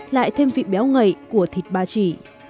lại thêm vị béo ngậy của thịt ba chỉ